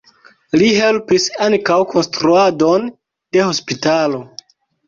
Li helpis ankaŭ konstruadon de hospitalo.